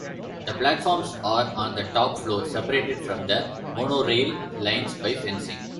The platforms are on the top floor, separated from the monorail lines by fencing.